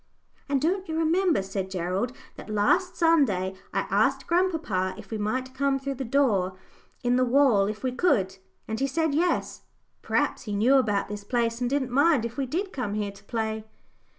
"And don't you remember," said Gerald, "that last Sunday I asked grandpapa if we might come through the door in the wall if we could, and he said 'yes'? P'r'aps he knew about this place, and didn't mind if we did come here to play."